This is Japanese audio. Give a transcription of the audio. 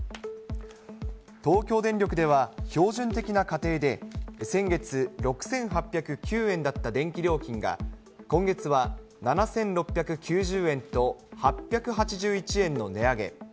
東京電力では、標準的な家庭で先月６８０９円だった電気料金が今月は７６９０円と、８８１円の値上げ。